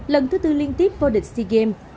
lần thứ tư liên tiếp vô địch sea games